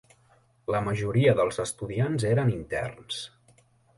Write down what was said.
La majoria dels estudiants eren interns.